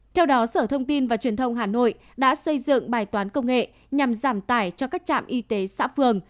theo đó sở thông tin và truyền thông hà nội đã xây dựng bài toán công nghệ nhằm giảm tải cho các trạm y tế xã phường